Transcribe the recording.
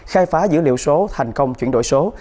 khai phá dữ liệu số thành công chuyển đổi số